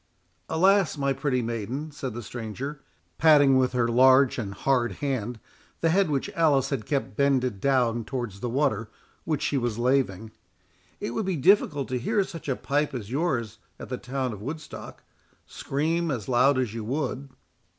"Alas! my pretty maiden," said the stranger, patting with her large and hard hand the head which Alice had kept bended down towards the water which she was laving, "it would be difficult to hear such a pipe as yours at the town of Woodstock, scream as loud as you would."